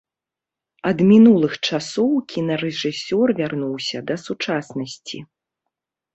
Ад мінулых часоў кінарэжысёр вярнуўся да сучаснасці.